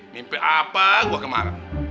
mimpi apa gue kemarah